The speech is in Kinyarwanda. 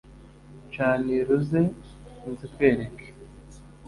Canira uze nzikwereke